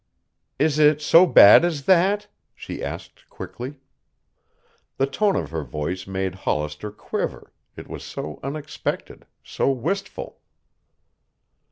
"Is it so bad as that?" she asked quickly. The tone of her voice made Hollister quiver, it was so unexpected, so wistful.